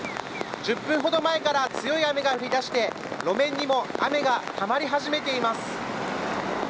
１０分ほど前から強い雨が降り出して路面にも雨がたまり始めています。